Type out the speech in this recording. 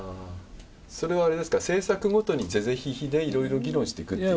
それはあれですか、政策ごとに是々非々でいろいろ議論していくという？